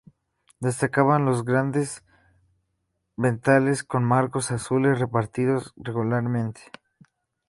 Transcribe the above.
Destacan los grandes ventanales, con marcos azules, repartidos regularmente.